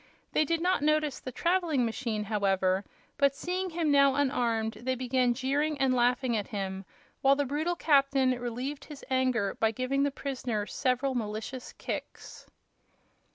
They did not notice his traveling machine, however, but seeing him now unarmed they began jeering and laughing at him, while the brutal captain relieved his anger by giving the prisoner several malicious kicks.